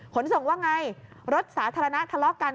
ขนส่งว่าไงรถสาธารณะทะเลาะกัน